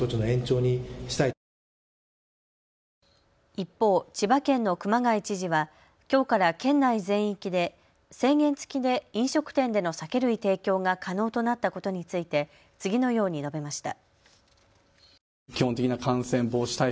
一方、千葉県の熊谷知事はきょうから県内全域で制限付きで飲食店での酒類提供が可能となったことについて次のように述べました。